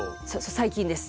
最近です。